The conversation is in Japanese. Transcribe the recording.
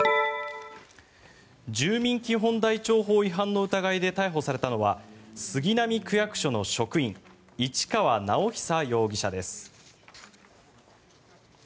住民基本台帳法違反の疑いで逮捕されたのは杉並区役所の職員市川直央容疑者です。